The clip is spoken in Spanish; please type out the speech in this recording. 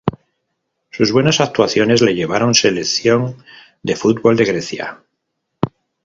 Sus buenas actuaciones le llevaron Selección de fútbol de Grecia.